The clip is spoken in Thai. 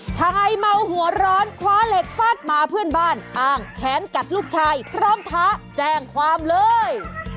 ชายเมาหัวร้อนคว้าเหล็กฟาดหมาเพื่อนบ้านอ้างแค้นกัดลูกชายพร้อมท้าแจ้งความเลย